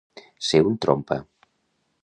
Ser un trompa.